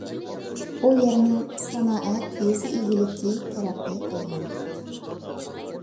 ئۇ يەرنىڭ سانائەت، يېزا ئىگىلىكى تەرەققىي قىلغان.